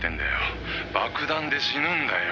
「爆弾で死ぬんだよ」